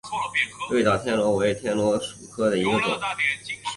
绿岛天螺为天螺科天螺属下的一个种。